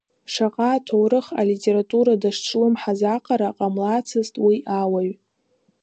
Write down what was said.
Шаҟа аҭоурых, алитература дазҿлымҳаз аҟара ҟамлацызт уи ауаҩ.